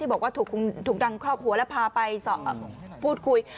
บอกว่าถูกดังครอบครัวแล้วพาไปพูดคุย